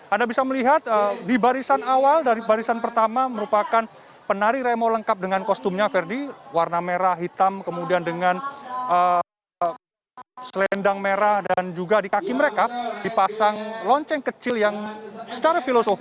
anda bisa melihat di barisan awal dari barisan pertama merupakan penari remo lengkap dengan kostumnya ferdi warna merah hitam kemudian dengan selendang merah dan juga di kaki mereka dipasang lonceng kecil yang secara filosofi